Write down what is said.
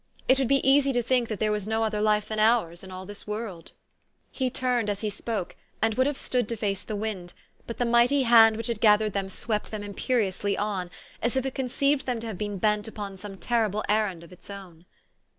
It would be easy to think that there was no other life than ours in all this world." 86 THE STORY OF AVIS. He turned as he spoke, and would have stood to face the wind ; but the mighty hand which had gath ered them swept them imperiously on, as if it con ceived them to have been bent upon some terrible errand of its own.